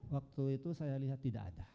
waktu itu saya lihat tidak ada